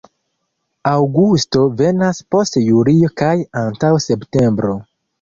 Aŭgusto venas post julio kaj antaŭ septembro.